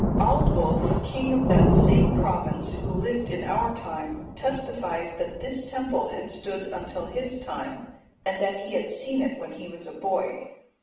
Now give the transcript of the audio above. Aldwulf,(245) king of that same province, who lived in our time, testifies that this temple had stood until his time, and that he had seen it when he was a boy.